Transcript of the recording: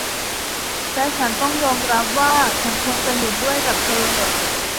และฉันต้องยอมรับว่า ฉันควรจะเห็นด้วยกับเธอ